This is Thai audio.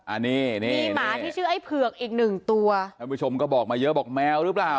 อันนี้นี่มีหมาที่ชื่อไอ้เผือกอีกหนึ่งตัวท่านผู้ชมก็บอกมาเยอะบอกแมวหรือเปล่า